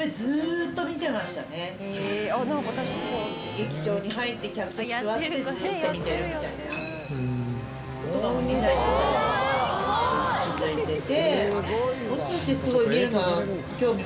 劇場に入って客席座ってずーっと見てるみたいな事が２歳ぐらいから続いてて。